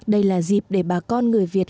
đây là dịp để bà con người việt